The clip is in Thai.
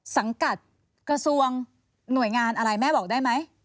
สังกัดกระทรวงหน่วยงานอะไรแม่บอกได้ไหม